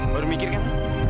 baru mikir kan